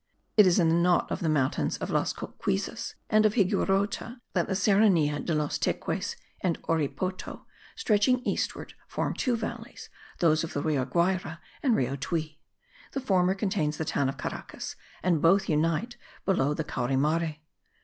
It is in the knot of the mountains of Las Cocuyzas, and of Higuerote, that the Serrania de los Teques and Oripoto, stretching eastward, form two valleys, those of the Rio Guayre and Rio Tuy; the former contains the town of Caracas and both unite below the Caurimare.